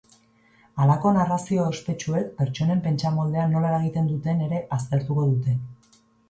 Halako narrazio ospetsuek pertsonen pentsamoldean nola eragiten duten ere aztertuko dute.